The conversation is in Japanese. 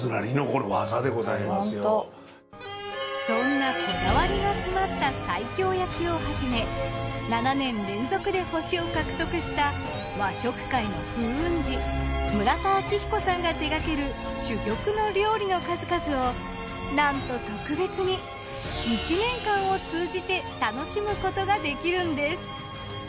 そんなこだわりが詰まった西京焼をはじめ７年連続で星を獲得した和食界の風雲児村田明彦さんが手がける珠玉の料理の数々をなんと特別に１年間を通じて楽しむことができるんです。